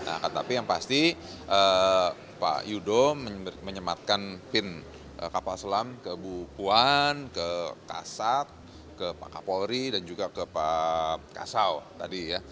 nah tapi yang pasti pak yudo menyematkan pin kapal selam ke bu puan ke kasat ke pak kapolri dan juga ke pak kasau tadi ya